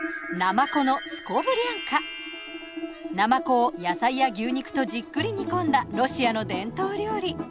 ナマコを野菜や牛肉とじっくり煮込んだロシアの伝統料理。